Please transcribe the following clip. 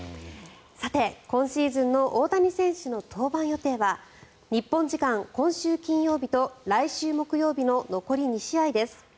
さて、今シーズンの大谷選手の登板予定は日本時間、今週金曜日と来週木曜日の残り２試合です。